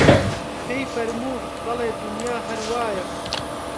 پێی فەرموو: بەڵێ دونیا هەر وایە